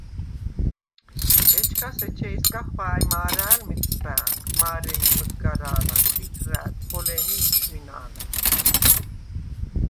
ეჩქას ეჩეჲსგა ხუ̂ა̄̈ჲ მა̄რა̄̈ლ მეტყუ̂ბა̄̈ნხ: მა̄რემი მჷდგარა̄ლა, ქუ̂ითრა̈რ, ხოლე̄მი მუჩ̈უ̂მინა̄ლა.